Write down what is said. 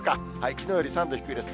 きのうより３度低いです。